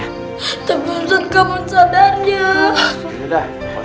tapi ustadz kamu sadarnya